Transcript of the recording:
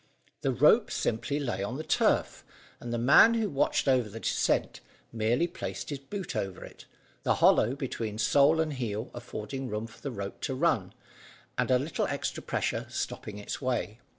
The rope lay simply on the turf, and the man who watched over the descent, merely placed his boot over it, the hollow between sole and heel affording room for the rope to run, and a little extra pressure stopping its way.